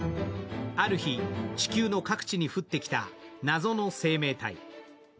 ある日、地球の各地に降ってきた謎の生命体。